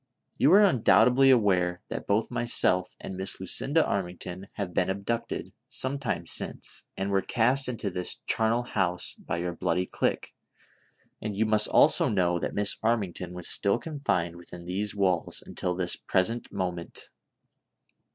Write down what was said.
You are undoubtedly aware that both myself and Miss Lucinda Armington have been abducted, some time since, and were cast into this charnel house by your bloody clique ; and you must also know that Miss Armington was still confined within these walls until this present moment.